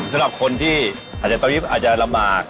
สำหรับคนที่อาจจะตอนนี้อาจจะลำบาก